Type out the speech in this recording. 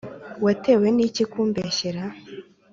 Watewe niki kumbeshyera